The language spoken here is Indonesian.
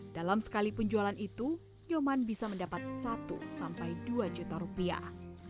dalam sekali penjualan itu nyoman bisa mendapat satu sampai dua juta rupiah